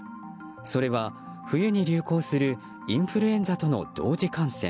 それは冬に流行するインフルエンザとの同時感染。